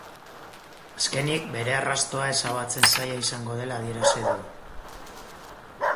Azkenik, bere arrastoa ezabatzen zaila izango dela adierazi du.